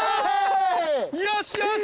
よしよし！